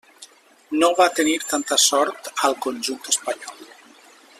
No va tenir tanta sort al conjunt espanyol.